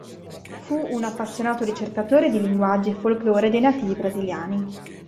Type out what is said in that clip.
Fu un appassionato ricercatore di linguaggi e folclore dei nativi brasiliani.